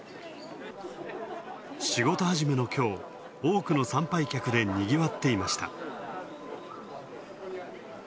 仕事始めのきょう、多くの参拝客でにぎわっていました。